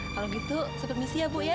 kalau gitu saya permisi ya bu ya